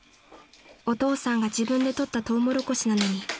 ［お父さんが自分で取ったトウモロコシなのにどうして］